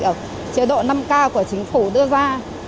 ở chế độ năm k của chính phủ đưa ra